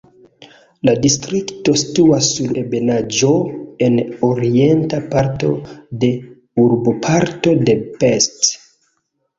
La distrikto situas sur ebenaĵo en orienta parto de urboparto de Pest.